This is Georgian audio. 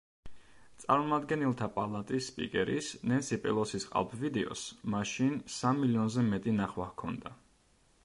წარმომადგენელთა პალატის სპიკერის ნენსი პელოსის ყალბ ვიდეოს, მაშინ სამ მილიონზე მეტი ნახვა ჰქონდა.